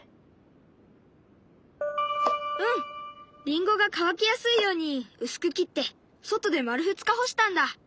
りんごが乾きやすいように薄く切って外で丸２日干したんだ。